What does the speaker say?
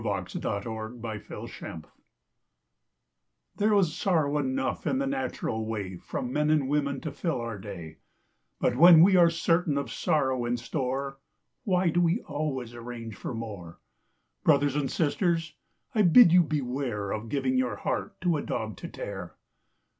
THE POWER OF THE DOG There is sorrow enough in the natural way From men and women to fill our day; But when we are certain of sorrow in store, Why do we always arrange for more? Brothers and sisters, I bid you beware Of giving your heart to a dog to tear.